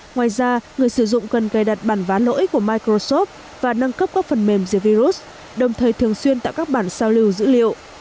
ngoài ra người sử dụng cần cài đặt bản vá lỗi của microsoft và nâng cấp các phần mềm diệt virus đồng thời thường xuyên tạo các bản sao lưu dữ liệu